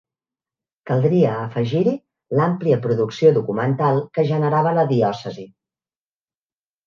Caldria afegir-hi l'àmplia producció documental que generava la Diòcesi.